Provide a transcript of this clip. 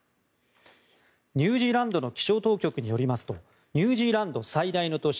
ニュージーランドの気象当局によりますとニュージーランド最大の都市